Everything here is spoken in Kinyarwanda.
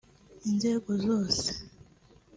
inzego zose